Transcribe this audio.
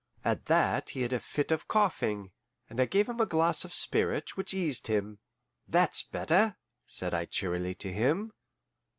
At that he had a fit of coughing, and I gave him a glass of spirits, which eased him. "That's better," said I cheerily to him.